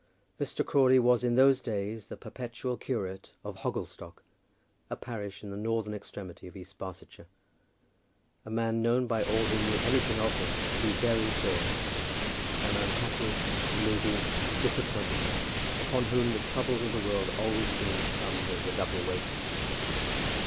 Mr. Crawley was in those days the perpetual curate of Hogglestock, a parish in the northern extremity of East Barsetshire; a man known by all who knew anything of him to be very poor, an unhappy, moody, disappointed man, upon whom the troubles of the world always seemed to come with a double weight.